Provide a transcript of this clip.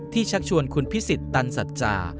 ชักชวนคุณพิสิทธิ์ตันสัจจา